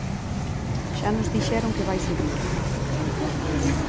Xa nos dixeron que vai subir.